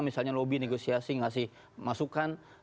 misalnya lobby negosiasi ngasih masukan